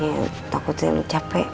ya takutnya lo capek